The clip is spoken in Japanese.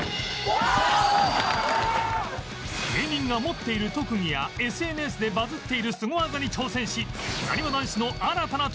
芸人が持っている特技や ＳＮＳ でバズっているスゴ技に挑戦し